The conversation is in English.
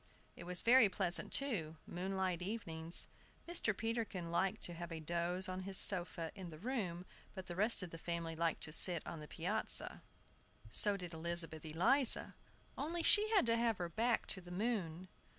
It was very pleasant, too, moonlight evenings. Mr. Peterkin liked to take a doze on his sofa in the room; but the rest of the family liked to sit on the piazza. So did Elizabeth Eliza, only she had to have her back to the moon.